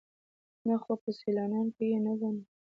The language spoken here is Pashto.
_نه، خو په سيالانو کې يې نه ګڼو.